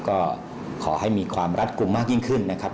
ก็ขอให้มีความรัดกลุ่มมากยิ่งขึ้นนะครับ